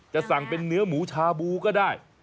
จะสั่งเป็นเนื้อหมูชาบูก็ได้